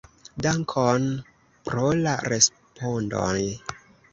Dankon pro la respondoj!